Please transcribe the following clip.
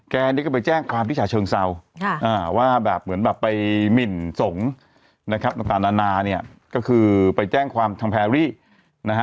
เนี่ยก็ไปแจ้งความที่ฉะเชิงเศร้าว่าแบบเหมือนแบบไปหมินสงฆ์นะครับต่างนานาเนี่ยก็คือไปแจ้งความทางแพรรี่นะฮะ